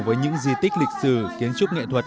với những di tích lịch sử kiến trúc nghệ thuật